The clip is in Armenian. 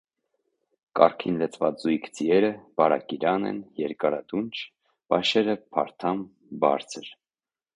Կառքին լծված զույգ ձիերը բարակիրան են, երկարադունչ, բաշերը՝ փարթամ, բարձր։